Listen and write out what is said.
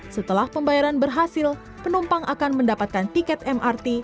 setelah pembayaran berhasil penumpang akan mendapatkan tiket mrt